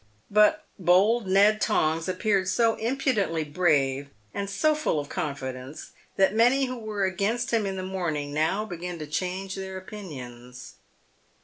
But the bold Ned Tongs appeared so impudently brave and so full of confi dence, that many who were against him in the morning now began to change their opinions.